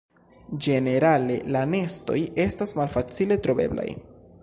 Ĝenerale la nestoj estas malfacile troveblaj.